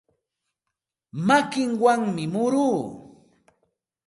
Makiwanmi muruu.